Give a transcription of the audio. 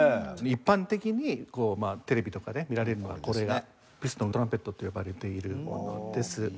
一般的にこうテレビとかで見られるこれがピストントランペットと呼ばれているものです。